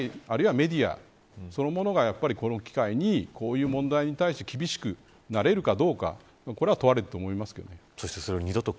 芸能界、あるいはメディアそのものが、この機会にこういう問題に対して厳しくなれるかどうかこれが問われると思いますけどね。